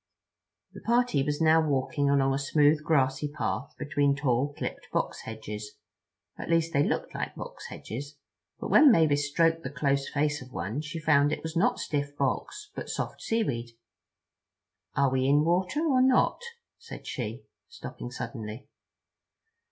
The party was now walking along a smooth grassy path, between tall, clipped box hedges—at least they looked like box hedges, but when Mavis stroked the close face of one she found that it was not stiff box, but soft seaweed. "Are we in the water or not?" said she, stopping suddenly.